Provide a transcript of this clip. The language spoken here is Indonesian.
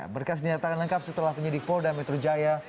berkas dinyatakan lengkap setelah penyidik polda metro jaya